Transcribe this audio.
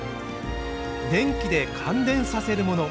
電気で感電させるもの。